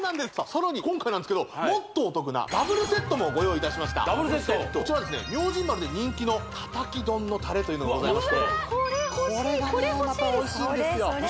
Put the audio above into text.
さらに今回なんですけどもっとお得なダブルセットもご用意いたしました明神丸で人気のたたき丼のたれというのがございましてこれ欲しいこれ欲しいですこれがねまたおいしいんですよ